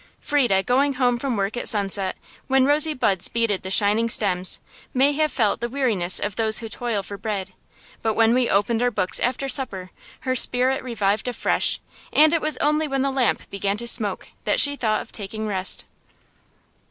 Frieda, going home from work at sunset, when rosy buds beaded the shining stems, may have felt the weariness of those who toil for bread; but when we opened our books after supper, her spirit revived afresh, and it was only when the lamp began to smoke that she thought of taking rest.